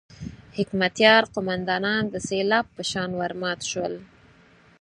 حکمتیار قوماندانان د سېلاب په شان ورمات شول.